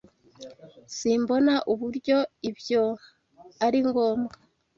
Simbona uburyo ibyo ari ngombwa.